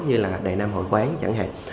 như là đại nam hội quán chẳng hạn